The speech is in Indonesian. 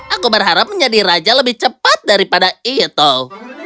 aku berharap menjadi raja lebih cepat daripada itu